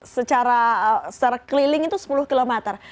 secara keliling itu sepuluh kilometer